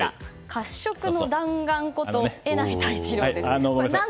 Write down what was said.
褐色の弾丸こと榎並大二郎です。